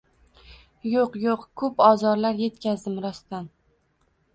Yo‘q-yo‘q, ko‘p ozorlar yetkazdim rostdan.